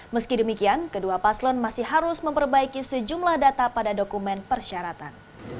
meski demikian kedua paslon masih harus memperbaiki sejumlah data pada dokumen persyaratan